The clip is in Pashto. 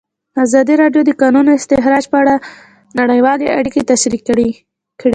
ازادي راډیو د د کانونو استخراج په اړه نړیوالې اړیکې تشریح کړي.